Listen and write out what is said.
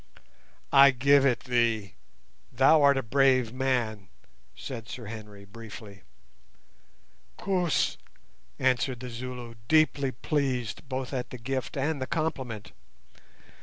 "I give it thee; thou art a brave man," said Sir Henry, briefly. "Koos!" answered the Zulu, deeply pleased both at the gift and the compliment.